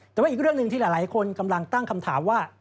แต่ว่าอีกเรื่องหนึ่งที่หลายคนกำลังตั้งคำถามว่า